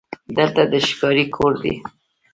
دلته د ښکاري کور دی: